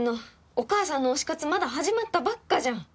お母さんの推し活まだ始まったばっかじゃん！